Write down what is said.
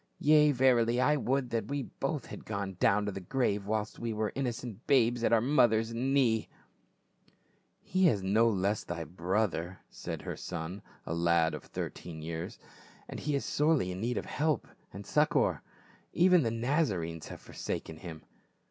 Yea, verily, I would that we both had gone down to the grave whilst we were innocent babes at our mother's knee !"" He is no less thy brother," said her son, a lad of about thirteen years. " And he is sorely in need of help and succor ; even the Nazarenes have forsaken him."